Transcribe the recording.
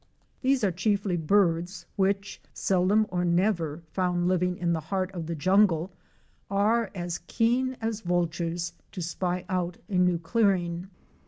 These are chiefly birds, which, seldom or never found living in the heart of the jungle, are as keen as Vultures to spy out a new clearing.